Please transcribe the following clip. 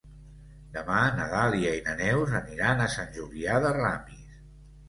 Demà na Dàlia i na Neus aniran a Sant Julià de Ramis.